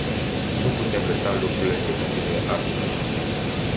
Nu putem lăsa lucrurile să continue astfel.